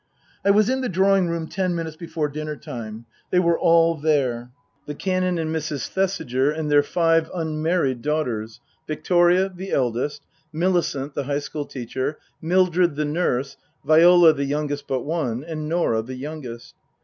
I was in the drawing room ten minutes before dinner time. They were all there : the Canon and Mrs. Thesiger and their five unmarried daughters Victoria, the eldest, Millicent, the High School teacher, Mildred, the nurse, Viola, the youngest but one, and Norah, the youngest.